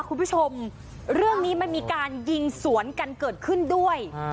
คุณผู้ชมเรื่องนี้มันมีการยิงสวนกันเกิดขึ้นด้วย